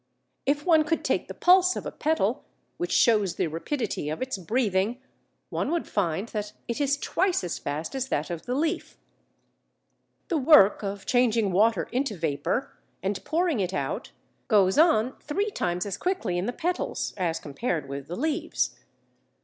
If one could take the pulse of a petal, which shows the rapidity of its breathing, one would find that it is twice as fast as that of the leaf. The work of changing water into vapour and pouring it out goes on three times as quickly in the petals (as compared with the leaves).